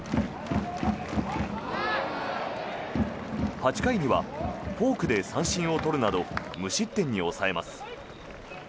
８回にはフォークで三振を取るなど無失点に抑えます。